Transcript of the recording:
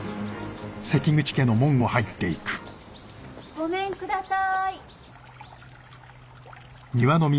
ごめんくださーい。